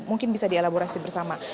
mungkin bisa dialaborasi bersama